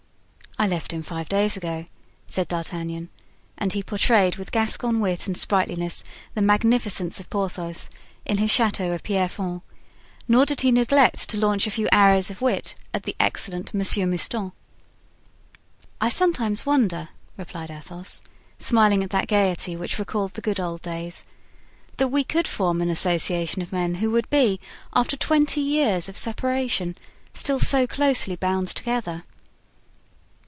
"I left him five days ago," said D'Artagnan, and he portrayed with Gascon wit and sprightliness the magnificence of Porthos in his Chateau of Pierrefonds; nor did he neglect to launch a few arrows of wit at the excellent Monsieur Mouston. "I sometimes wonder," replied Athos, smiling at that gayety which recalled the good old days, "that we could form an association of men who would be, after twenty years of separation, still so closely bound together.